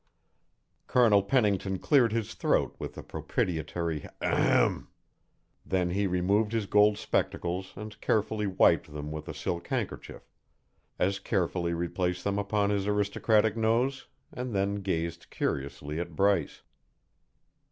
Colonel Pennington cleared his throat with a propitiatory "Ahem m m!" Then he removed his gold spectacles and carefully wiped them with a silk handkerchief, as carefully replaced them upon his aristocratic nose, and then gazed curiously at Bryce.